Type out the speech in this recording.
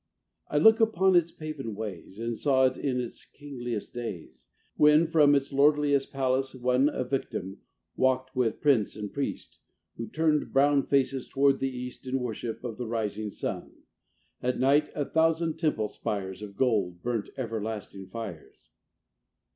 I looked upon its paven ways And saw it in its kingliest days; When, from its lordliest palace, one A victim, walked with prince and priest, Who turned brown faces toward the east In worship of the rising sun: At night a thousand temple spires, Of gold, burnt everlasting fires.